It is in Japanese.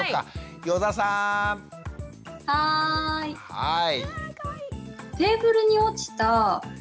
はい！